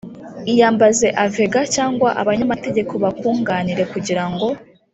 iyambaze avega cyangwa abanyamategeko bakunganira kugira ngo :